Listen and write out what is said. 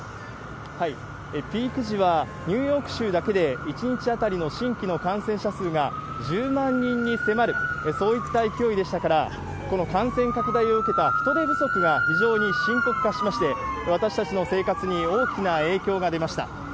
ピーク時はニューヨーク州だけで、１日当たりの新規の感染者数が１０万人に迫る、そういった勢いでしたから、この感染拡大を受けた人手不足が非常に深刻化しまして、私たちの生活に大きな影響が出ました。